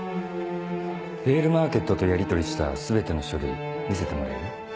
ヴェールマーケットとやりとりした全ての書類見せてもらえる？